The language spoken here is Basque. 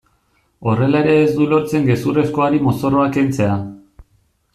Horrela ere ez du lortzen gezurrezkoari mozorroa kentzea.